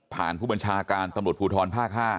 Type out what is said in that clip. ผ่านผู้บัญชาการตำรวจผูทรพ๕